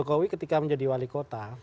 pak joko widodo ketika menjadi wali kota